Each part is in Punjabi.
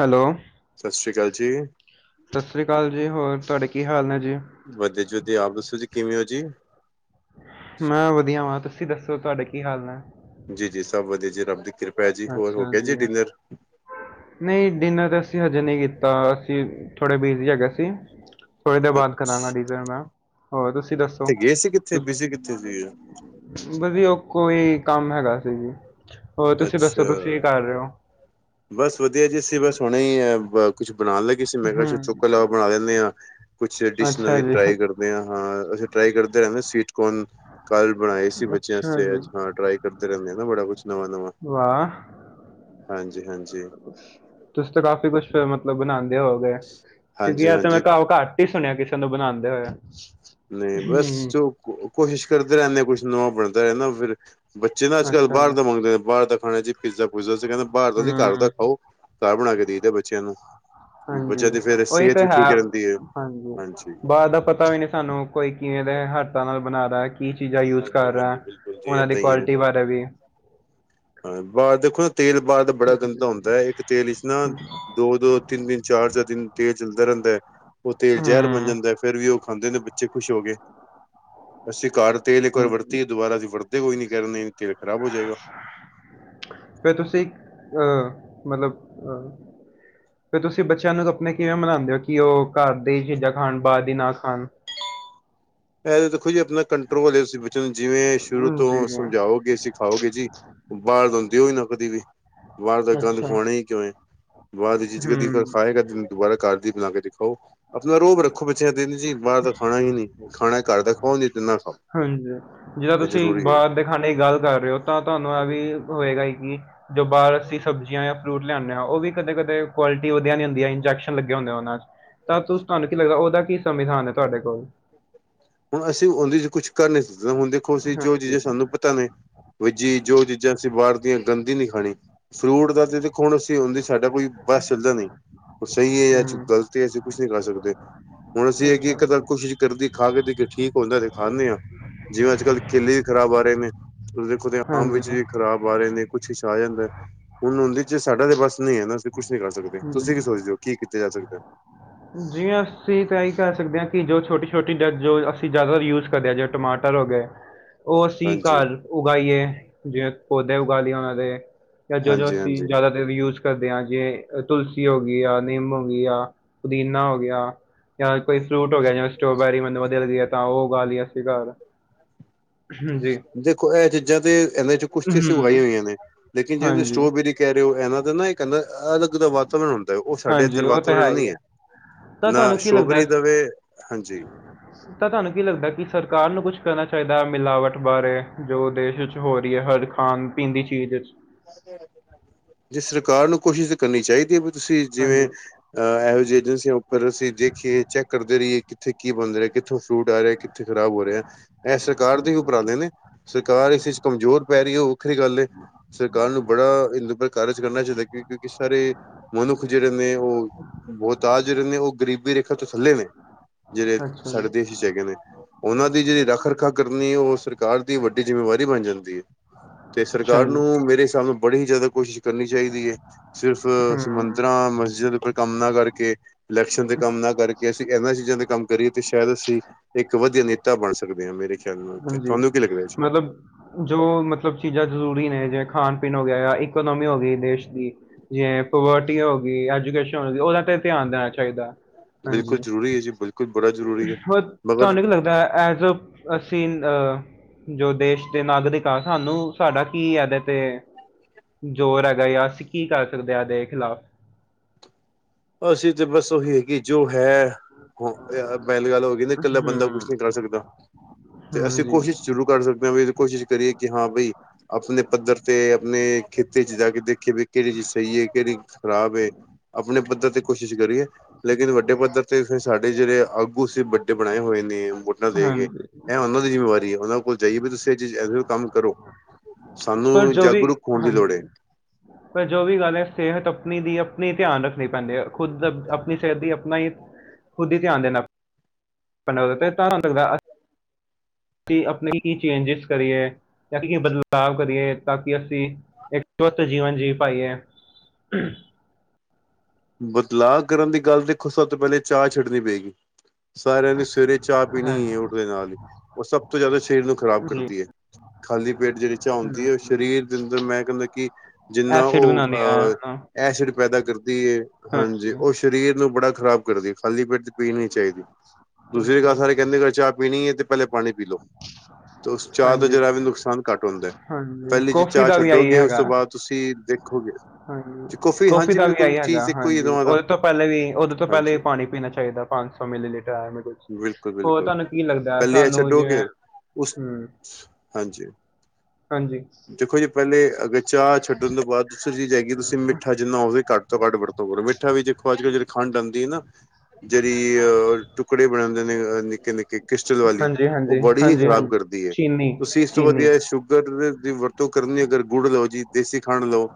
ਹੈਲੋ। ਸ਼ਸ਼ੀ ਕਾਲ ਜੀ। ਸਸਰੀ ਕਾਲ ਜੀ, ਹੋਰ ਤੁਹਾਡੇ ਕੀ ਹਾਲ ਨੇ ਜੀ? ਵਧੀਆ ਜੀ, ਵਧੀਆ। ਆਪ ਦੱਸੋ ਜੀ ਕਿਵੇਂ ਹੋ ਜੀ? ਮੈਂ ਵਧੀਆ ਵਾਂ, ਤੁਸੀਂ ਦੱਸੋ ਤੁਹਾਡੇ ਕੀ ਹਾਲ ਨੇ? ਜੀ ਜੀ ਸਭ ਵਧੀਆ ਜੀ, ਰੱਬ ਦੀ ਕਿਰਪਾ। ਹੈ ਜੀ ਹੋਰ ਹੋ ਅੱਛਾ ਗਿਆ ਜੀ, ਡਿਨਰ? ਨਹੀ ਡਿਨਰ ਅਸੀ, ਹਜੇ ਨਹੀ ਕੀਤਾ ਅਸੀ। ਥੋੜੇ ਬਿਜ਼ੀ ਹੈਗੇ ਸੀ। ਥੋੜ੍ਹੇ ਦੇਰ ਬਾਅਦ ਕਰਾਣਾ ਅੱਛਾ ਡੀਨਰ ਆ ਮੈਂ। ਹੋਰ ਤੁਸੀ ਦੱਸੋ? ਛ [inaudible] ਵਧੀਆ ਉਹ ਕੋਈ, ਕੰਮ ਹੈਗਾ ਸੀ। ਹੋਰ ਤੁਸੀਂ ਦੱਸੋ ਅੱਛਾ ਤੁਸੀ? ਕੀ ਕਰ ਰਹੇ ਹੋ? ਬਸ ਵਧੀਆ ਜੀ, ਅਸੀ ਬਸ ਹੁਣੇ ਹੀ ਆ ਕੁਛ ਬਣਾਣ ਲੱਗੇ ਸੀ। ਮੈਂ ਕਿਹਾ ਚੁੱਕ ਹਮ ਇਲਾਵਾ ਬਣਾ ਲੈਂਦੇ ਹਾਂ, ਕੁਛ ਡਿਸ਼ ਅੱਛਾ ਨਵੀਂ ਜੀ ਟਰਾਈ ਕਰ‌ ਹਾਂ, ਅਸੀ ਟਰਾਈ ਕਰਦੇ ਰਹਿੰਦੇ, ਸੀਟਕੋਨ ਕੱਲ੍ਹ ਬਣਾਏ ਸੀ, ਬੱਚਿਆਂ ਅੱਛਾ ਆਸਤੇ ਜੀ ਅੱਜ ਹਾਂ ਟਰਾਈ। ਕਰਦੇ ਰਹਿੰਦੇ ਨਾ, ਬੜਾ ਕੁਛ ਨਵਾ-ਨਵਾ। ਵਾਹ। ਹਾਂਜੀ-ਹਾਂਜੀ। ਤੁਸੀ ਰਾਤੀ ਤੇ ਕਾਫੀ ਕੁਛ ਮਤਲਬ ਬਣਾਦੇ ਹੋ ਗਏ, ਕਿਉਂਕਿ ਐ ਤੇ ਹਾਂਜੀ-ਹਾਂਜੀ ਮੈਂ ਘਾਓ ਘਟ ਘੱਟ ਹੀ ਸੁਣਿਆ, ਕਿਸੇ ਨੂੰ ਬਣਾਦੇ ਹੋਏ। ਨਹੀ ਬਸ ਹਮ 'ਚ ਕੋਸ਼ਿਸ਼ ਕਰਦੇ ਰਹਿਨੇ, ਕੁਛ ਨਵਾ ਬਣਦਾ ਰਹਿ ਨਾ ਫਿਰ। ਬੱਚੇ ਨਾ ਅੱਜ-ਕੱਲ੍ਹ ਅੱਛਾ ਜੀ, ਬਾਹਰ ਦਾ ਮੰਗਦੇ ਨੇ ਬਾਹਰ ਦਾ, ਖਾਣਾ ਜੀ ਪੀਜ਼ਾ-ਪੁਜਾ ਅਸੀ ਕਹਿੰਦੇ ਬਾਹਰ ਦਾ ਨੀ, ਘਰ ਹੂੰ, ਦਾ ਖਾਓ। ਘਰ ਬਣਾ ਕੇ ਦੇਈ ਦਾ ਬੱਚਿਆਂ ਨੂੰ। ਹਾਂਜੀ, ਬੱਚਿਆਂ ਦੀ ਫੇਰ ਉਹੀ ਸਿਹਤ ਤਾਂ ਵੀ ਠੀਕ ਹੈ। ਰਹਿੰਦੀ ਹਾਂਜੀ ਬਾਰ ਦਾ ਪਤਾ ਨੀ ਸਾਨੂੰ। ਕੋਈ ਕਿਵੇ ਦੇ ਹੱਥਾਂ ਨਾਲ ਬਣਾਂਦਾ, ਕੀ ਚੀਜ਼ਾਂ ਯੂਜ਼ ਹਾਂਜੀ ਕਰ ਰਿਹਾ। ਹਾਂਜੀ ਬਿਲਕੁਲ ਜੀ ਉਹਨਾਂ ਦੀ ਏਦਾਂ ਹੀ ਹੈ। ਕੁਆਲਿਟੀ ਬਾਰੇ ਵੀ। ਹਾਂ, ਬਾਅਦ ਦੇਖੋ ਨਾ, ਤੇਲ ਬਾਅਦ ਬੜਾ ਗੰਦਾ ਹੁੰਦਾ ਹਾਂਜੀ, ਐ, ਇੱਕ ਤੇਲ 'ਚ ਨਾ ਦੋ -ਦੋ, ਤਿੰਨ ਦਿਨ ਚਾਰ- ਚਾਰ ਦਿਨ ਤੇਲ ਚਲਦਾ ਰਹਿੰਦਾ। ਉਹ ਤੇਲ ਜ਼ਹਿਰ ਬਣ ਹੂੰ, ਜਾਂਦਾ, ਫੇਰ ਵੀ ਉਹ ਖਾਂਦੇ ਨੇ ਬੱਚੇ ਖੁਸ਼ ਹੋ ਕੇ। ਅਸੀ ਘਰ ਤੇਲ ਇੱਕ ਵਾਰ ਹੂੰ। ਵਰਤੀ ਦੁਬਾਰਾ ਅਸੀ, ਵਰਤ ਦੇ ਕੋਈ ਨੀ ਕਹਿ ਦੇਣੇ ਤੇਲ ਖ਼ਰਾਬ ਹੋ ਜਾਏਗਾ। ਫਿਰ ਤੁਸੀ ਅਹ ਮਤਲਬ ਫਿਰ ਤੁਸੀ ਬੱਚਿਆਂ ਨੂੰ ਆਪਣੇ ਕਿਵੇਂ ਮਨਾਂਦੇ ਹੋ ਕਿ, ਘਰ ਦੀ ਚੀਜ਼ਾਂ ਬਾਹਰ ਦੀ ਨਾ ਖਾਣ। ਇਹ ਦੇਖੋ ਜੀ, ਆਪਣਾ ਕੰਟਰੋਲ ਤੁਸੀ ਬੱਚੇ ਨੂੰ ਜਿਵੇਂ ਸ਼ੁਰੂ ਜੀ, ਤੋਂ ਸਮਝਾਓ। ਜੇ ਤੁਸੀ ਖਾਓਗੇ ਜੀ, ਬਾਹਰ ਆਦੀ ਨਾ ਕਦੀ ਵੀ। ਬਾਹਰ ਤਾਂ ਗੰਧ ਅੱਛਾ, ਖਵਾਉਣਾ ਹੀ ਕਿਉ ਏ। ਬਾਹਰ ਦੀ ਚੀਜ਼ ਕਦੇ ਹੂੰ। ਖਾਏਗਾ। ਦੁਬਾਰਾ ਘਰ ਦੀ ਬਣਾ ਕੇ ਦੇਖੋ, ਆਪਣਾ ਰੋਬ ਰੱਖੋ ਪਿੱਛੇ ਦਿਨ ਜੀ ਬਾਹਰ ਦਾ ਖਾਣਾ ਹੀ ਨੀ, ਖਾਣਾ ਘਰ ਦਾ। ਹੁਣ ਲਿਖ ਦੇ ਨਰਸ। ਹਾਂਜੀ, ਜਿਦਾਂ ਤੁਸੀਂ ਬਾਅਦ ਦੇ ਖਾਣੇ ਦੀ ਗੱਲ ਕਰ ਰਹੇ ਹੋ ਤਾਂ, ਤੁਹਾਨੂੰ ਇਹ ਵੀ ਹੋਏਗਾ ਕਿ ਜੋ ਬਾਹਰ ਅਸੀ ਸਬਜ਼ੀਆਂ ਜਾਂ ਫਰੂਟ ਲਿਆਨੇ ਆ, ਉਹ ਵੀ ਕਦੇ-ਕਦੇ ਕੁਆਲਿਟੀ ਵਧੀਆ ਨਹੀਂ ਹੁੰਦੀ। ਇੰਜੈਕਸ਼ਨ ਲੱਗੇ ਹੁੰਦੇ ਆ ਉਹਨਾਂ 'ਚ ਤਾਂ ਤੂੰ ਤੁਹਾਨੂੰ ਕੀ ਲੱਗਦਾ? ਸੰਵਿਧਾਨ ਏ ਤੁਹਾਡੇ ਕੋਲ। ਹੁਣ ਅਸੀਂ ਉਹਦੇ 'ਚ ਕੁਛ ਕਰ ਨੀ ਸਕਦੇ ਹੁਣ ਦੇਖੋ ਅਸੀਂ ਜੋ ਚੀਜ਼ਾਂ ਸਾਨੂੰ ਪਤਾ ਨੀ। ਬਾਈ ਜੀ, ਜੋ ਚੀਜ਼ਾਂ ਅਸੀਂ ਬਾਹਰ ਦੀਆਂ ਗੰਦੀ ਨਹੀਂ ਖਾਣੀ। ਫਰੂਟ ਦਾ ਤੇ ਦੇਖੋ ਹੁਣ ਅਸੀਂ ਹੁੰਦੇ ਸਾਡਾ ਕੋਈ ਬਸ ਚਲਦਾ ਨਹੀਂ। ਉਹ ਸਹੀ ਏ ਜਾਂ ਹੂੰ, ਗ਼ਲਤ ਏ। ਅਸੀਂ ਕੁਝ ਨਹੀਂ ਕਰ ਸਕਦੇ। ਹੁਣ ਅਸੀਂ ਇਹ ਕਿ ਇੱਕ ਅੱਛਾ, ਦਮ ਕੋਸ਼ਿਸ਼ ਕਰਦੀ ਖਾ ਕੇ ਠੀਕ ਹੁੰਦਾ ਤੇ ਖਾਂਦੇ ਹਾਂ ਜਿਵੇਂ ਅੱਜ-ਕੱਲ੍ਹ ਕੇਲੇ ਵੀ ਖਰਾਬ ਆ ਰਹੇ ਨੇ। ਤੁਸੀਂ ਦੇਖੋ ਆਮ ਵਿੱਚ ਹਾਂਜੀ, ਵੀ ਖਰਾਬ ਆਹ ਰਹੇ ਕੁਛ ਹਿੱਸਾ ਆ ਜਾਂਦਾ ਹੁਣ ਉਹਦੇ 'ਚ' ਸਾਡਾ ਤਾਂ ਬਸ ਨਹੀਂ ਏ। ਅਸੀਂ ਕੁਛ ਨੀ ਕਰ ਸਕਦੇ। ਜੀ। ਤੁਸੀਂ ਕੀ ਸੋਚਦੇ ਹੋ ਕੀ ਕੀਤਾ ਜਾ ਸਕਦਾ? ਜੀ ਅਸੀਂ ਤਾਂ ਇਹ ਕਹਿ ਸਕਦੇ ਕਿ ਜੋ ਛੋਟੀ-ਛੋਟੀ ਡੱਗ ਅਸੀਂ ਜ਼ਿਆਦਾ ਯੂਜ ਕਰਦੇ ਹਾਂ, ਜਿਵੇਂ ਟਮਾਟਰ ਹੋ ਗਏ। ਉਹ ਅਸੀਂ ਹਾਂਜੀ ਘਰ ਉਗਾਈਏ, ਜਿਵੇਂ ਪੌਦੇ ਉਗਾ ਲਏ ਉਹਨਾਂ ਦੇ। ਜਾਂ ਜੋ-ਜੋ ਹਾਂਜੀ ਅਸੀਂ ਹਾਂਜੀ ਜ਼ਿਆਦਾ ਦੇਰ ਯੂਜ ਕਰਦੇ ਹਾਂ ਜੇ ਤੁਲਸੀ ਹੋ ਗਈ ਆ ਨਿੰਮ ਹੋ ਗਈ ਆਂ। ਪੁਦੀਨਾ ਹੋ ਗਿਆ ਜਾਂ ਕੋਈ ਫਰੂਟ ਹੋ ਗਿਆ। ਜਿਵੇ ਸਟ੍ਰੋਬੈਰੀ ਮੈਨੂੰ ਵਧੀਆ ਲੱਗਦੀ ਆ। ਤਾਂ ਉਹ ਉਗਾਲਿਆਂ ਸੀ। ਦੇਖੋ ਇਹ ਚੀਜ਼ਾਂ ਤੇ ਇਹਦੇ 'ਚ ਕੁੱਛ ਤੇ ਅਸੀ ਹੂੰ, ਉਗਾਈਆਂ ਹੋਈਆਂ ਨੇ। ਲੇਕਿਨ ਜਿਸ ਦੀ ਹਾਂਜੀ, ਸਟ੍ਰੋਬੇਰੀ ਕਹਿ ਰਹੇ ਹੋ। ਇਹਨਾਂ ਦਾ ਨਾ ਕਹਿੰਦਾ ਅਲੱਗ ਤੋਂ ਵਾਤਾਵਰਨ ਉਹ ਸਾਡੇ ਹਾਂਜੀ ਇੱਧਰ ਉਹ ਤਾਂ ਹੈ ਵਾਤਾਵਰਨ ਹੀ ਨਹੀਂ ਹੈ, ਆ। ਤਾਂ ਨਾ ਤੁਹਾਨੂੰ ਕੀ ਸਟੋਬਰੀ ਲੱਗਦਾ ਦੇਵੇ ਹਾਂਜੀ। ਤਾਂ ਤੁਹਾਨੂੰ ਕੀ ਲੱਗਦਾ ਕਿ ਸਰਕਾਰ ਨੂੰ ਕੁਛ ਕਰਨਾ ਚਾਹੀਦਾ ਮਿਲਾਵਟ ਬਾਰੇ ਜੋ ਦੇਸ਼ ਵਿੱਚ ਹੋ ਰਹੀ ਏ ਹਰ। ਖਾਣ-ਪੀਣ ਚੀਜ਼ ਵਿੱਚ। ਜੇ ਸਰਕਾਰ ਨੂੰ ਕੋਸ਼ਿਸ਼ ਤੇ ਕਰਨੀ ਚਾਹੀਦੀ ਏ ਵੀ ਤੁਸੀ ਜਿਵੇਂ ਹਾਂਜੀ ਅਹ ਇਹੋ ਜਿਹੀ ਏਜੰਸੀਆਂ ਉੱਪਰ ਅਸੀ ਦੇਖੀਏ ਚੈੱਕ ਕਰਦੇ ਰਹੀਏ। ਕਿੱਥੇ ਕੀ ਬਣ ਰਿਹਾ, ਕਿੱਥੋਂ ਫਰੂਟ ਆ ਰਿਹਾ? ਉੱਥੇ ਖ਼ਰਾਬ ਹੋ ਰਿਹਾ। ਇਹ ਸਰਕਾਰ ਦੇ ਹੀ ਉਪਰਾਲੇ ਨੇ ਸਰਕਾਰ ਇਸ 'ਚ ਕਮਜ਼ੋਰ ਪੈ ਰਹੀ ਏ। ਉਹ ਵੱਖਰੀ ਗੱਲ ਏ। ਸਰਕਾਰ ਨੂੰ ਬੜਾ ਇਹ ਨਿਰਭਰ ਕਾਰਜ ਕਰਨਾ ਚਾਹੀਦਾ ਕਿ ਕਿਸ ਤਰ੍ਹਾਂ ਮਨੁੱਖ ਜਿਹੜੇ ਨੇ ਉਹ ਬਹੁਤਾ ਜੋ ਰਹਿੰਦੇ ਨੇ ਉਹ ਗਰੀਬੀ ਰੇਖਾ ਤੋਂ ਥੱਲੇ ਨੇ। ਜਿਹੜੇ ਅੱਛਾ ਜੀ ਸਾਡੇ ਦੇਸ਼ 'ਚ ਹੈਗੇ ਨੇ। ਉਹਨਾਂ ਦੀ ਜਿਹੜੀ ਰੱਖ-ਰੱਖਾ ਕਰਨੀ ਉਹ ਸਰਕਾਰ ਸਰਕਾਰ ਦੀ ਵੱਡੀ ਜਿੰਮੇਬਾਰੀ ਬਣ ਜਾਂਦੀ ਏ ਤੇ ਅੱਛਾ ਸਰਕਾਰ ਜੀ ਨੂੰ ਮੇਰੇ ਹਿਸਾਬ ਨਾਲ ਬੜੀ ਹੀ ਜ਼ਿਆਦਾ ਕੋਸ਼ਿਸ਼ ਕਰਨੀ ਚਾਹੀਦੀ ਏ। ਸਿਰਫ ਹੂੰ ਸਮੁੰਦਰਾਂ, ਮਸਜਿਦ ਕੋਈ ਕੰਮ ਨਾ ਕਰਕੇ ਲੈਕਸ਼ਨ ਦੇ ਕੰਮ ਨਾ ਕਰਕੇ ਅਸੀਂ ਇਹਨਾਂ ਚੀਜ਼ਾਂ ਦੇ ਕੰਮ ਕਰੀਏ, ਤੇ ਸ਼ਾਇਦ ਅਸੀਂ ਇੱਕ ਵਧੀਆ ਨੇਤਾ ਬਣ ਸਕਦੇ ਹਾਂ। ਮੇਰੇ ਖਿਆਲ ਨਾਲ ਤਾਂ ਹਾਂਜੀ ਤੁਹਾਨੂੰ ਕੀ ਲੱਗਦਾ ਜੀ? ਮਤਲਬ ਜੋ ਮਤਲਬ ਚੀਜ਼ਾਂ ਜ਼ਰੂਰੀ ਨੇ ਜਿਵੇਂ ਖਾਣ-ਪੀਣ ਹੋ ਗਿਆ ਜਾਂ ਇਕੋਨੋਮੀ ਹੋ ਗਈ ਦੇਸ਼ ਦੀ। ਜਿਵੇਂ ਪਵੋਟੀ ਹੋ ਗਈ, ਐਜੂਕੇਸ਼ਨ ਹੋ ਗਈ। ਉਹਨਾਂ ਤੇ ਤੇ ਧਿਆਨ ਦੇਣਾ ਚਾਹੀਦਾ। ਬਿਲਕੁਲ ਜਰੂਰੀ ਏ ਜੀ ਬਿਲਕੁਲ। ਬੜਾ ਜ਼ਰੂਰੀ ਹੈ। ਹੁਣ ਮਗਰ ਤੁਹਾਨੂੰ ਕੀ ਲੱਗਦਾ ਐਜ ਅਸੀਂ ਅਹ ਜੋ ਦੇਸ਼ ਦੇ ਨਾਗਰਿਕ ਹਾਂ ਸਾਨੂੰ ਸਾਡਾ ਕੀ ਇਹਦੇ ਤੇ। ਜ਼ੋਰ ਹੈਗਾ ਜਾਂ ਅਸੀ ਕੀ ਕਰ ਸਕਦੇ ਹਾਂ ਦੇਖਲਾ। ਅਸੀਂ ਤੇ ਬਸ ਉਹੀ ਹੈਗੀ ਜੋ ਹੈ ਅਵੇ ਲੇਬਲ ਕਹਿੰਦੇ ਇਕੱਲਾ ਬੰਦਾ ਕੁਛ ਹਮ ਨਹੀਂ ਕਰ ਸਕਦਾ ਤੇ ਅਸੀ ਹਾਂਜੀ ਕੋਸ਼ਿਸ਼ ਜਰੂਰ ਕਰ ਸਕਦੇ। ਮੈਂ ਵੀ ਕੋਸ਼ਿਸ਼ ਕਰੀਏ ਕਿ ਹਾਂ ਬਈ ਆਪਣੇ ਪੱਧਰ ਤੇ ਆਪਣੇ ਖੇਤੀ ਚ ਜਾ ਕੇ ਦੇਖੀਏ ਕਿਹੜੀ ਚੀਜ਼ ਸਹੀ ਏ। ਕਿਹੜੀ ਖਰਾਬ ਏ। ਆਪਣੇ ਪਦ ਪ੍ਰਤੀ ਕੋਸ਼ਿਸ਼ ਕਰੀਏ, ਲੇਕਿਨ ਵੱਡੇ ਪੱਧਰ ਤੇ ਫਿਰ ਸਾਡੇ ਜਿਹੜੇ ਆਗੂ ਸੀ। ਵੱਡੇ ਬਣਾਏ ਹੋਏ ਨੇ ਵੋਟਾਂ ਲੈ ਗਏ। ਹਾਂਜੀ ਇਹ ਉਹਨਾਂ ਦੀ ਜਿੰਮੇਵਾਰੀ ਏ। ਉਹਨਾਂ ਕੋਲ ਜਾਈਏ ਵੀ ਤੁਸੀਂ ਅੱਜ ਐਨੂਅਲ ਕੰਮ ਕਰੋ। ਪਰ ਸਾਨੂੰ ਜੋ ਵੀ ਜਾਗਰੂਕ ਹੋਣ ਦੀ ਲੋੜ ਹਾਂਜੀ ਏ। ਪਰ ਜੋ ਵੀ ਗੱਲ ਐ, ਸਿਹਤ ਆਪਣੀ ਦੀ ਆਪਣੀ ਧਿਆਨ ਰੱਖਣੀ ਪੈਂਦੀ ਐ ਖੁੱਦ ਆਪਣੀ ਸਿਹਤ ਦੀ ਨਹੀਂ ਖੁਦ ਹੀ ਧਿਆਨ ਦੇਣਾ ਆਪਾਂ ਲੱਗਦਾ ਤਾਰਾਂ ਕੀ, ਆਪਣੇ ਕੀ ਚੇਂਜਿਸ ਕਰੀਏ। ਤਾਂ ਕੀ ਇਹ ਬਦਲਾਵ ਕਰੀਏ, ਤਾਂ ਅਸੀਂ ਇੱਕਜੁਤ ਜੀਅ ਪਾਈਏ ਹਮ' ' [inaudible] ਬਦਲਾਅ ਕਰਨ ਦੀ ਗੱਲ ਦੇਖੋ, ਸਭ ਤੋਂ ਪਹਿਲੇ ਚਾਹ ਛੱਡਣੀ ਪਏਗੀ ਸਾਰਿਆਂ ਨੇ ਸਵੇਰੇ ਚਾਹ ਪੀਣੀ ਐ, ਹਾਂਜੀ ਉੱਠਦੇ ਨਾਲ ਹੀ ਉਹ ਸਭ ਤੋਂ ਜ਼ਿਆਦਾ ਸਰੀਰ ਨੂੰ ਖ਼ਰਾਬ ਜੀ ਕਰਦੀ ਐ ਖਾਲੀ ਪੇਟ ਜਿਹੜੀ ਚਾਹ ਆਉਂਦੀ ਹੈ ਹਮ ਸਰੀਰ ਦੇ ਅੰਦਰ ਮੈਂ ਕਹਿੰਦਾ ਕਿ ਜਿੰਨਾ ਐਸਿਡ ਉਹ ਬਣਾਉਂਦੇ ਆ ਅਹ ਹਨਾ। ਐਸਿਡ ਪੈਦਾ ਕਰਦੀ ਏ ਹਾਂਜੀ, ਉਹ ਸਰੀਰ ਨੂੰ ਬੜਾ ਖ਼ਰਾਬ ਕਰਦੀ ਖਾਲੀ ਪੇਟ ' ਪੀਣੀ ਨਹੀਂ ਚਾਹੀਦੀ ਦੂਸਰੀ ਗੱਲ ਅੱਛਾ ਸਾਰੇ ਕਹਿੰਦੇ, ਅਗਰ ਚਾਹ ਪੀਣੀ ਐ 'ਤੇ ਪਹਿਲੇ ਪਾਣੀ ਪੀ ਲੋ ਤਾਂ ਉਸ ਚਾਹ ਦਾ ਹਾਂਜੀ ਜਿਹੜਾ ਵੀ ਨੁਕਸਾਨ ਘੱਟ ਹੁੰਦਾ, ਹਾਂਜੀ, ਪਹਿਲੀ ਜੀ ਕੌਫੀ ਚਾਹ ਦਾ ਵੀ ਆਹੀ ਛੱਡੋਗੇ ਉਸ ਹੈਗਾ, ਤੋਂ ਬਾਅਦ ਤੁਸੀਂ ਦੇਖੋਗੇ। ਹਾਂਜੀ ਕੌਫੀ ਹਾਂਜੀ ਦਾ ਵੀ ਆ ਬਿਲਕੁਲ ਏ ਹੈਗਾ ਚੀਜ਼ ਇੱਕੋ ਹੀ ਹਾਂਜੀ, ਦੋਵਾਂ ਦਾ ਉਹਦੇ ਤੋਂ ਪਹਿਲੇ ਵੀ, ਉਹਦੇ ਤੋਂ ਪਹਿਲੇ ਹਾਂਜੀ ਵੀ ਪਾਣੀ-ਪੀਣਾ ਚਾਹੀਦਾ ਪਾ ਮਿਲੀ ਮੇਰੇ ' [unintelligible] ਬਿਲਕੁਲ ' ਹੋਰ ਬਿਲਕੁਲ ਤੁਹਾਨੂੰ ਕੀ ਲੱਗਦਾ ਪਹਿਲੇ ਇਹ ਸਾਨੂੰ ਤੁਹਾਨੂੰ ਜੇ ਛੱਡੋਗੇ ਉਸ, ਹਾਂਜੀ। ਹਾਂਜੀ। ਦੇਖੋ ਜੀ ਪਹਿਲੇ ਅਗਰ ਚਾਹ ਛੱਡਣ ਤੋਂ ਬਾਅਦ ਦੂਸਰੀ ਚੀਜ਼ ਹੈਗੀ। ਤੁਸੀਂ ਮਿੱਠਾ ਜਿੰਨਾ ਹੋਵੇ ਘੱਟ ਤੋਂ ਘੱਟ ਵਰਤੋ ਮਿੱਠਾ ਵੀ ਦੇਖੋ ਅੱਜ-ਕੱਲ੍ਹ ਜਿਹੜੀ ਖੰਡ ਆਂਦੀ ਹੈ ਨਾ ਜਿਹੜੀ ਅਹ ਟੁਕੜੇ ਬਣਾਉਂਦੇ ਨੇ ਨਿੱਕੇ-ਨਿੱਕੇ ਕ੍ਰਿਸਟਲ ਵਾਲੀ, ਉਹ ਹਾਂਜੀ-ਹਾਂਜੀ, ਬੋਡੀ ਹੀ ਖ਼ਰਾਬ ਹਾਂਜੀ-ਹਾਂਜੀ, ਕਰਦੀ ਐ, ਤੁਸੀਂ ਇਸ ਤੋਂ ਚੀਨੀ-ਚੀਨੀ ਵਧੀਆ ਸ਼ੂਗ ਦੀ ਵਰਤੋਂ ਕਰਨੀ, ਅਗਰ ਗੁੜ ਲਓ ਜੀ, ਦੇਸੀ ਖੰਡ ਲਓ,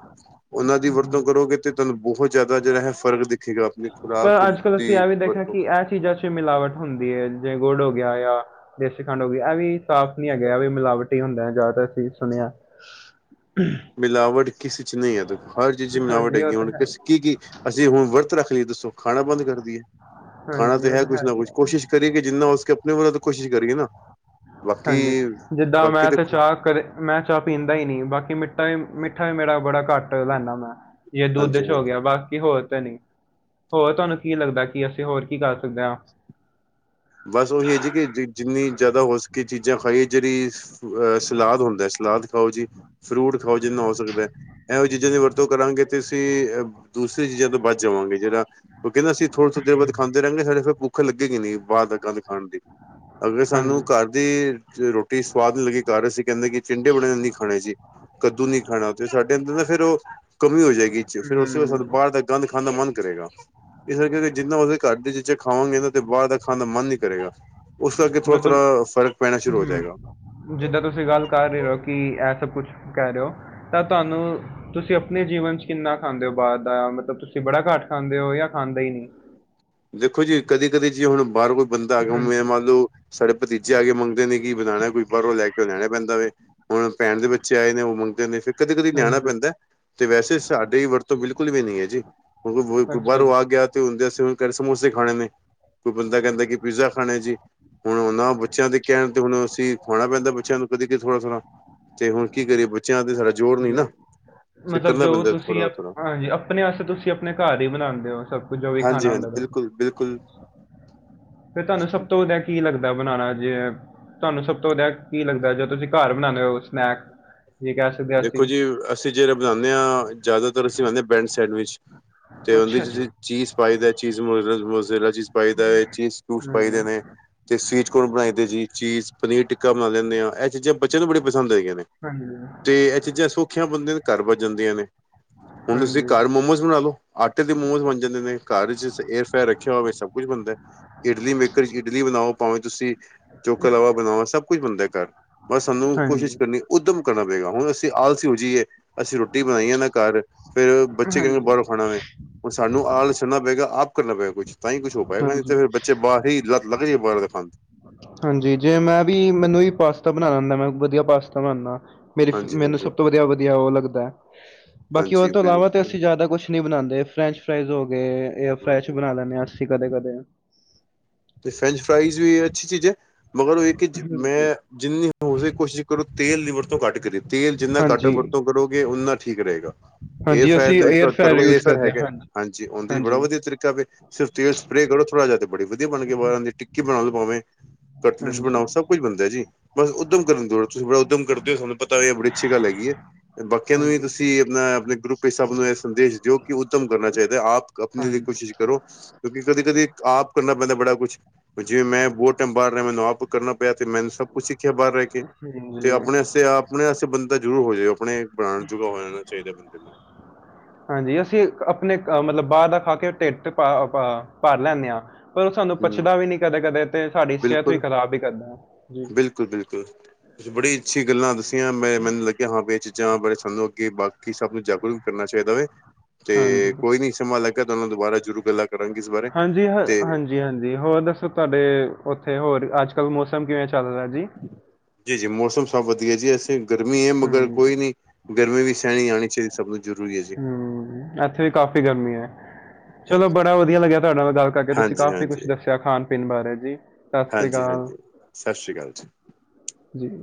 ਉਹਨਾਂ ਦੀ ਵਰਤੋਂ ਕਰੋਗੇ ਤੇ ਤੁਹਾਨੂੰ ਬਹੁਤ ਜ਼ਿਆਦਾ ਜਿਹੜਾ ਹੈ ਫਰਕ ਦੇਖੇਗਾ ਆਪਣੇ ਪਰ ਅੱਜ-ਕੱਲ੍ਹ ਅਸੀਂ ਇਹ ਵੀ ਦੇਖਿਆ ਕਿ ਇਹ ਚੀਜ਼ਾਂ ਚ ਮਿਲਾਵਟ ਹੁੰਦੀ ਐ। ਜਿਵੇਂ ਗੁੜ ਹੋ ਗਿਆ ਆ ਦੇਸੀ ਖੰਡ ਹੋ ਇਹ ਵੀ ਸਾਫ਼ ਨੀ ਹੈਗਾ ਵੀ ਮਿਲਾਵਟੀ ਹੁੰਦਾ ਜਿਆਦਾ ਤਰ ਅਸੀ ਵੀ ਸੁਣਿਆ ਮਿਲਾਵਟ ਕਿਸੇ 'ਚ' ਨਹੀਂ ਐ, ਦੇਖੋ ਹਰ ਚੀਜ਼ 'ਚ' ਮਿਲਾਵਟ ਹਾਂਜੀ ਉਹ ਹੈਗੀ ਤਾਂ ਹੁਣ ਹੈ, ਹੀ। ਕੀ-ਕੀ ਅਸੀਂ ਹੁਣ ਵਰਤ ਰੱਖ ਲਈਏ ਦੱਸੋ ਖਾਣਾ ਬੰਦ ਕਰਦੀਏ ਖਾਣਾ ਹਾਂਜੀ ਤਾਂ ਉਹ ਹੈ ਕੁੱਛ ਨਾ ਈ ਕੁੱਛ, ਐ। ਕੋਸ਼ਿਸ਼ ਕਰੀਏ ਜਿੰਨਾ ਉਸ ਕੇ ਆਪਣੇ ਵੱਲੋਂ ਤਾਂ ਕੋਸ਼ਿਸ਼ ਕਰੀਏ ਨਾ ਹਾਂਜੀ ਜਿੱਦਾਂ ਮੈਂ ਤੇ ਦੇਖੋ ਚਾਹ ਘਰੇ ਮੈਂ ਚਾਹ ਪੀਂਦਾ ਹੀ ਨੀ। ਬਾਕੀ ਮਿੱਟਾ-ਮਿੱਠਾ ਮੇਰਾ ਬੜਾ ਘੱਟ ਲੈਣਾ ਮੈਂ ਯੇ ਦੁੱਧ ਹਾਂਜੀ 'ਚ' ਹੋ ਹਾਂਜੀ ਗਿਆ ਬਾਕੀ ਹੋਰ ਤਾਂ ਨੀ ਹੋਰ ਤੁਹਾਨੂੰ ਕੀ ਲੱਗਦਾ ਕਿ ਅਸੀਂ ਹੋਰ ਕੀ ਕਰ ਸਕਦੇ ਆ ਬੱਸ ਉਹੀ ਹੈ ਜੀ ਕਿ ਜਿੰਨੀ ਜ਼ਿਆਦਾ ਹੋ ਸਕੇ ਚੀਜ਼ਾਂ ਖਾਈਏ ਜਿਹੜੀ ਅਹ ਸਲਾਦ ਹੁੰਦਾ, ਸਲਾਦ ਖਾਓ ਜੀ, ਫਰੂਟ ਖਾਓ ਜਿਹਨਾ ਹੋ ਸਕਦਾ ਇਹੋ ਚੀਜ਼ਾਂ ਦੀ ਵਰਤੋਂ ਜੋ ਕਰਾਂਗੇ ਤੇ ਅਸੀਂ ਅਹ ਦੂਸਰੀ ਚੀਜ਼ਾਂ ਤੋਂ ਬਚ ਜਾਵਾਂਗੇ। ਜਿਹੜਾ ਉਹ ਕਹਿੰਦੇ ਅਸੀ ਥੋੜ੍ਹੋ-ਥੋੜੇ ਦੇ ਬਾਅਦ ਖਾਂਦੇ ਰਹਾਂਗੇ। ਸਾਡੇ ਫਿਰ ਭੁੱਖ ਲੱਗੇਗੀ ਬਾਹਰ ਦਾ ' [unintelligible] ' ਖਾਣ ਦੀ ਅਗਰ ਹਾਂਜੀ ਸਾਨੂੰ ਘਰ ਦੀ ਰੋਟੀ ਸਵਾਦ ਨੀ ਲੱਗੀ ਘਰ ਅਸੀਂ ਕਹਿੰਦੇ ਕਿ ਚਿੰਡੇ ਬਣੇ ਨਹੀਂ ਖਾਣੇ ਸੀ ਕੱਦੂ ਨੀ ਖਾਣਾ ਤੇ ਸਾਡੇ ਅੰਦਰ ਨਾ ਫੇਰ ਉਹ ਕਮੀ ਹੋ ਜਾਏਗੀ 'ਚ' ਫੇਰ ਉਸੇ ਸਾਨੂੰ ਹੂੰ ਬਾਹਰ ਦਾ ਗੰਦ ਖਾਣ ਦਾ ਮਨ ਕਰੇਗਾ। ਇਸ ਕਰਕੇ ਜਿੱਦਾਂ ਅਸੀਂ ਘਰ ਦੇ ਚੀਜਾਂ ਖਾਵਾਂਗੇ ਤੇ ਬਾਹਰ ਤ ਖਾਂਦਾ ਮਨ ਨਹੀਂ ਕਰੇਗਾ। ਉਸ ਕਰਕੇ ਮਤਲਬ ਥੋੜਾ-ਥੋੜਾ ਫ਼ਰਕ ਪੈਣਾ ਸ਼ੁਰੂ ਹੋ ਜਾਏਗਾ ਹੂੰ ਜਿੱਦਾਂ ਤੁਸੀ ਗੱਲ ਕਰ ਰਹੇ ਹੋ ਕਿ ਇਹ ਸਭ ਕੁੱਛ ਕਹਿ ਰਹੇ ਹੋ ਤਾਂ ਤੁਹਾਨੂੰ ਤੁਸੀਂ ਆਪਣੇ ਜੀਵਨ ਚ ਕਿੰਨਾ ਖਾਂਦੇ ਹੋ ਬਾਹਰ ਦਾ ਮਤਲਬ ਤੁਸੀ ਬੜਾ ਘੱਟ ਖਾਂਦੇ ਹੋ ਜਾਂ ਖਾਂਦਾ ਹੀ ਨਹੀਂ। ਦੇਖੋ ਜੀ ਕਦੀ-ਕਦੀ ਜੀ ਹੁਣ ਕੋਈ ਆਵੇ ਹਾਂਜੀ ਮੰਨ ਲਾਓ, ਸਾਡੇ ਭਤੀਜੇ ਆ ਕੇ ਮੰਗਦੇ ਨੇ ਕਿ ਬਣਾਣਾ ਕੋਈ ਬਾਹਰੋਂ ਕੇ ਬਾਹਰੋ ਲੈਕੇ ਆਉਣਾ ਪੈਂਦਾ ਵੇ। ਹੁਣ ਭੈਣ ਦੇ ਬੱਚੇ ਆਏ ਨੇ ਉਹ ਮੰਗਦੇ ਹੁੰਦੇ ਫਿਰ ਕਦੀ-ਕਦੀ ਲਿਆਣਾ ਹਾਂਜੀ ਪੈਂਦਾ। ਤੇ ਵੈਸੇ ਸਾਡੀ ਵਰਤੋਂ ਬਿਲਕੁਲ ਵੀ ਨੀ ਏ ਜੀ ਕਿਉਕਿ ਅੱਛਾ ਬਾਹਰੋਂ ਜੀ ਆ ਗਿਆ ਤੇ ਹੁੰਦੇ ਸਮੋਸੇ ਖਾਣੇ ਨੇ, ਕੋਈ ਬੰਦਾ ਕਹਿੰਦਾ ਕਿ ਪੀਜ਼ਾ ਖਾਣਾ ਜੀ। ਹੁਣ ਉਹਨਾਂ ਬੱਚਿਆਂ ਦੇ ਕਹਿਣ ਅਸੀਂ ਖਾਣਾ ਪੈਦਾ ਬੱਚਿਆਂ ਨੂੰ ਕਦੇ ਥੋੜ੍ਹਾ-ਥੋੜ੍ਹਾ। ਤੇ ਹੁਣ ਕੀ ਕਰੀਏ ਬੱਚਿਆਂ ਤੇ ਸਾਡਾ ਜ਼ੋਰ ਨੀ ਨਾ। ਜੀ ਫਿਰ ਮਤਲਬ ਕਰਨਾ ਜੋ ਬੰਦਾ ਤੁਸੀਂ ਅਪ ਥੋੜ੍ਹਾ। ਹਾਂਜੀ ਆਪਣੇ ਆਸਤੇ ਤੁਸੀ ਆਪਣੇ ਘਰ ਹੀ ਬਣਾਦੇ। ਉਹ ਸਭ ਕੁਝ ਜੋ ਵੀ ਖਾਣਾ ਹੁੰਦਾ। ਬਿਲਕੁਲ। ਫਿਰ ਤੁਹਾਨੂੰ ਸਭ ਤੋਂ ਵਧੀਆ ਕੀ ਲੱਗਦਾ ਬਣਾਨਾ ਜੇ ਤੁਹਾਨੂੰ ਸਭ ਤੋਂ ਵਧੀਆ ਕੀ ਲੱਗਦਾ ਜੇ ਤੁਸੀਂ ਘਰ ਬਣਾਨੇ ਹੋ ਸਨੈਕ? ਠੀਕ ਆ। ਦੇਖੋ ਜੀ ਅਸੀ ਜਿਹੜਾ ਬਣਾਨੇ ਆ ਜ਼ਿਆਦਾਤਰ ਅਸੀ ਬਣਾਦੇ ਆ ਬੈਡ ਸੈਂਡਵਿਚ। ਤੇ ਉਹਦੇ 'ਚ ਜੀ ਚੀਸ ਪਾਈ ਦਾ ਚੀਸ ਮੁਜ਼ਰੇਲਾ ਚੀਸ ਪਾਈ ਦਾ ਚੀਸ ਫਰੂਟ ਪਾਈ ਦੇ ਹੂੰ ਨੇ। ਤੇ ਸਵੀਟ ਕੋਨ ਬਣਾਈ ਤੇ ਜੀ ਚੀਸ, ਪਨੀਰ ਟਿੱਕਾ ਬਣਾ ਲੈਣੇ ਆ। ਇਹ ਚੀਜ਼ਾਂ ਬੱਚਿਆਂ ਨੂੰ ਬੜੀ ਪਸੰਦ ਹੈਗੀਆਂ ਨੇ। ਹਾਂਜੀ ਹਾਂ। ਤੇ ਇਹ ਚੀਜ਼ਾਂ ਸੌਖੀਆਂ ਬਣਦੀਆਂ ਨੇ ਘਰ ਵੱਜ ਜਾਂਦੀਆਂ ਨੇ। ਹੁਣ ਤੁਸੀਂ ਹਾਂਜੀ ਘਰ ਮੋਮੋਸ ਬਣਾਲੋ। ਆਟੇ ਦੇ ਮੋਮੋਸ ਬਣ ਜਾਂਦੇ ਨੇ ਘਰ ਏਅਰ ਫਿਰ ਰੱਖਿਆ ਹੋਵੇ ਸਭ ਕੁਛ ਬਣਦਾ। ਇਡਲੀ ਮੇਕਰ 'ਚ ਇਡਲੀ ਬਣਾਓ ਭਾਵੇਂ ਤੁਸੀ ਚੋਕ ਲਾਵਾ ਬਣਾਓ ਸਭ ਕੁਛ ਬਣਦਾ ਘਰ। ਬਸ ਸਾਨੂੰ ਕੋਸ਼ਿਸ਼ ਹਾਂਜੀ ਕਰਨੀ। ਉੱਦਮ ਕਰਨਾ ਪਏਗਾ ਹੁਣ ਅਸੀਂ ਆਲਸੀ ਹੋ ਜੀਏ ਅਸੀਂ ਰੋਟੀ ਬਣਾਈਏ ਨਾ ਘਰ। ਫਿਰ ਬੱਚੇ ਕਹਿੰਦੇ ਬਾਹਰੋਂ ਖਾਣਾ ਵੇ। ਹੁਣ ਸਾਨੂੰ ਆਲਸ ਛੱਡਣਾ ਪਏਗਾ ਆਪ ਕਰਨਾ ਪਏਗਾ ਕੁਛ ਤਾਂ ਹੀ ਕੁਛ ਹੋ ਪਾਏਗਾ ਹਾਂਜੀ ਹੀ ਲੱਤ ਲੱਗ ਜਾ ਬਾਹਰ ਦੇ ਖਾਣ। ਹਾਂਜੀ ਜੇ ਮੈਂ ਵੀ ਮੈਨੂੰ ਵੀ ਪਾਸਤਾ ਬਣਾ ਆਦਾ। ਮੈਂ ਵਧੀਆ ਪਾਸਤਾ ਬਣਾਨਾ। ਮੇਰੀ ਹਾਂਜੀ ਮੈਨੂੰ ਸਭ ਹਾਂਜੀ ਤੋਂ ਵਧੀਆ-ਵਧੀਆ ਉਹ ਲੱਗਦਾ ਆ। ਬਾਕੀ ਉਹ ਹਾਂਜੀ ਤੋਂ ਇਲਾਵਾ ਤਾਂ ਬਿਲਕੁਲ ਅਸੀ ਜ਼ਿਆਦਾ ਕੁਛ ਨੀ ਬਣਾਦੇ। ਫਰੈਂਚ ਫਰਾਈਜ਼ ਹੋ ਗਏ ਹੂੰ ਫਰੈਚ ਹੂੰ ਬਣਾ ਲੈਣੇ ਆ ਅਸੀ। ਕਦੇ-ਕਦੇ। ਤੇ ਫਰੈਂਚ ਫਰਾਈਜ਼ ਵੀ ਅੱਛੀ ਚੀਜ਼ ਏ ਮਗਰ ਕਿ ਹਾਂਜੀ ਮੈਂ ਜਿੰਨੀ ਹੋ ਸਕੇ ਕੋਸ਼ਿਸ਼ ਕਰੋ ਤੇਲ ਲੀਵਰ ਤੋਂ ਘੱਟ ਕਰੀ ਤੇਲ ਜਿੰਨਾ ਘੱਟ ਹਾਂਜੀ ਵਰਤੋਂ ਕਰੋਗੇ। ਉਹਨਾਂ ਠੀਕ ਰਹੇਗਾ। ਇਹ ਹਾਂਜੀ ਅਸੀਂ ਫਾਇਦਾ ਏਅਰ ਫਰਾਇਰ ਕਰੋਗਾ, ਯੂਜ ਕਰਦੇ ਹਾਂ ਹਾਂਜੀ ਉਹਦੇ ਬੜਾ ਹਾਂਜੀ ਹਾਂਜੀ ਵਧੀਆ ਤਰੀਕਾ ਪਿਆ। ਸਿਰਫ ਤੇਲ ਸਪਰੇ ਕਰੋ ਥੋੜਾ ਜਿਹਾ ਤੇ ਬੜੀ ਵਧੀਆ ਬਣ ਕੇ ਬਾਹਰਾਂ ਦੀ ਟਿੱਕੀ ਬਣਾ ਲਉ ਪਾਵੇਂ, ਕਟਲੇਟਸ ਹਾਂਜੀ ਬਣਾਓ। ਸਭ ਕੁਝ ਬਣਦਾ ਜੀ ਬਸ ਉੱਦਮ ਕਰਨ ਦੀ ਲੋੜ ਆ ਉਦਮ ਕਰਦੇ ਹੋ। ਤੁਹਾਨੂੰ ਪਤਾ ਬੜੀ ਅੱਛੀ ਗੱਲ ਹੈਗੀ ਏ। ਬਾਕੀਆਂ ਨੂੰ ਵੀ ਹਾਂਜੀ ਦੱਸੀ ਜਾਦਾਂ ਆਪਣੇ ਗਰੁੱਪ ਸਭ ਨੂੰ ਇਹ ਸੰਦੇਸ਼ ਦਿਓ ਕਿ ਉੱਦਮ ਕਰਨਾ ਚਾਹੀਦਾ। ਆਪਣੇ ਲਈ ਹਾਂਜੀ ਕੋਸ਼ਿਸ਼ ਕਰੋ, ਕਿਉਂਕਿ ਕਦੇ-ਕਦੇ ਆਪ ਕਰਨਾ ਪੈਂਦਾ ਬੜਾ ਕੁਛ। ਜੇ ਮੈਂ ਬਹਤ ਟਾਈਮ ਬਾਹਰ ਰਿਹਾ ਮੈਨੂੰ ਆਪ ਕਰਨਾ ਪਿਆ ਤੇ ਮੈਨੂੰ ਸਭ ਕੁਛ ਸਿੱਖਿਆ ਬਾਹਰ ਰਹਿ ਕੇ ਤੇ ਹਾਂਜੀ ਆਪਣੇਸ ਆਪਣੇਸ ਬੰਦਾ ਜ਼ਰੂਰ ਹੋ ਜਾ ਆਪਣੇ ਬਣਾਣ ਜੁਗਾ ਹੋ ਜਾਣਾ ਚਾਹੀਦਾ ਬੰਦੇ ਨੂੰ। [inaudible] ਹਾਂਜੀ, ਅਸੀਂ ਆਪਣੇ ਅ ਮਤਲਬ ਬਾਹਰ ਦਾ ਖਾ ਕੇ ਢਿੱਡ ਪ-ਪ ਭਰ ਲੈਂਨੇ ਆ। ਪਰ ਉਹ ਸਾਨੂੰ ਹੂੰ ਪਚਦਾ ਵੀ ਨੀ ਕਦੇ-ਕਦੇ ਤੇ ਸਾਡੀ ਸਿਹਤ ਵੀ ਖ਼ਰਾਬ ਵੀ ਕਰਦਾ। ਜੀ ਬਿਲਕੁਲ-ਬਿਲਕੁਲ। ਤੁਸੀਂ ਬੜੀ ਅੱਛੀ ਗੱਲਾਂ ਦੱਸੀਆਂ ਮੈਂ ਮੈਨੂੰ ਲੱਗਿਆ ਹਾਂ ਵੀ ਇਹ ਚੀਜ਼ ਜਾਂ ਬੜੇ ਸਾਨੂੰ ਅੱਗੇ ਬਾਕੀ ਸਭ ਨੂੰ ਜਾਗਰੂਕ ਵੀ ਕਰਨਾ ਚਾਹੀਦਾ ਹਾਂਜੀ ਤੇ ਕੋਈ ਨੀ ਸੰਭਾਲ ਕਿ ਤੁਹਾਨੂੰ ਦੁਬਾਰਾ ਸ਼ੁਰੂ ਗੱਲਾਂ। ਕਰਾਂਗੇ ਇਸ ਬਾਰੇ ਹਾਂਜੀ-ਹ, ਤੇ ਹਾਂਜੀ-ਹਾਂਜੀ ਹੋਰ ਦੱਸੋ। ਤੁਹਾਡੇ ਉੱਥੇ ਹੋਰ ਅੱਜ-ਕੱਲ੍ਹ ਮੌਸਮ ਕਿਵੇਂ ਚੱਲਦਾ ਜੀ। ਜੀ, ਜੀ ਮੌਸਮ ਸਭ ਵਧੀਆ ਜੀ ਇਸ ਤੇ ਗਰਮੀ ਏ ਮਗਰ ਹਾਂਜੀ ਕੋਈ ਨੀ, ਗਰਮੀ ਵੀ ਸਹਿਣੀ ਆਣੀ ਚਾਹੀਦੀ। ਸਭ ਨੂੰ ਜ਼ਰੂਰੀ ਏ ਜੀ। ਹੂੰ ਇੱਥੇ ਵੀ ਕਾਫੀ ਗਰਮੀ ਏ, ਚਲੋ ਹਾਂਜੀ ਬੜਾ ਵਧੀਆ ਲੱਗਿਆ ਤੁਹਾਡੇ ਨਾਲ ਗੱਲ ਕਰਕੇ ਤੁਸੀਂ ਹਾਂਜੀ ਕਾਫੀ ਕੁਛ ਹਾਂਜੀ ਦੱਸਿਆ ਖਾਣ ਪੀਣ ਬਾਰੇ ਜੀ। ਸਾਸਰੀ ਹਾਂਜੀ ਕਾਲ ਹਾਂਜੀ ਸਤਿ ਸ਼੍ਰੀ ਅਕਾਲ ਜੀ ਜੀ।